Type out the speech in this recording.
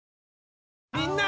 みんな！